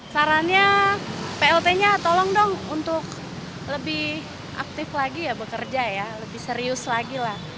sarannya plt nya tolong dong untuk lebih aktif lagi ya bekerja ya lebih serius lagi lah